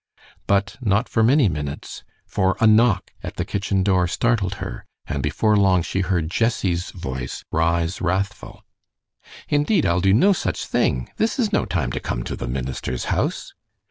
But not for many minutes, for a knock at the kitchen door startled her, and before long she heard Jessie's voice rise wrathful. "Indeed, I'll do no such thing. This is no time to come to the minister's house."